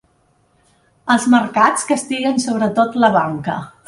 Els mercats castiguen sobretot la banca.